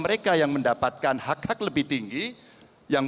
jadi saya mau bicara tentang hal hal yang terjadi di negara ini